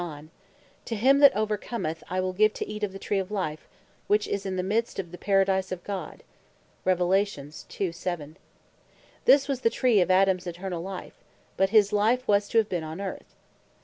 (Rev. 2.7.) "To him that overcommeth I will give to eat of the tree of life, which is in the midst of the Paradise of God." This was the tree of Adams Eternall life; but his life was to have been on Earth.